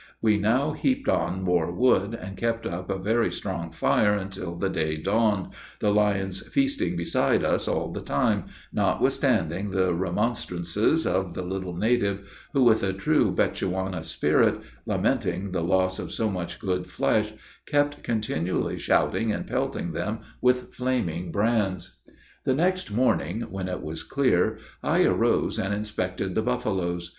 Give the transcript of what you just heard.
We now heaped on more wood, and kept up a very strong fire until the day dawned, the lions feasting beside us all the time, notwithstanding the remonstrances of the little native, who, with a true Bechuana spirit, lamenting the loss of so much good flesh, kept continually shouting and pelting them with flaming brands. The next morning, when it was clear, I arose and inspected the buffaloes.